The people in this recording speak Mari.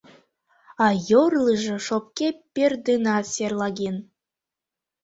А йорлыжо шопке пӧрт денат серлаген.